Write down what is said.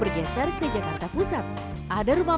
berkisar tujuh belas hingga dua puluh lima rupiah